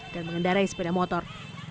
dan mengendarai sepeda motor